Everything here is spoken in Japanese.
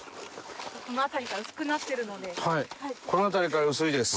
この辺りから薄いです。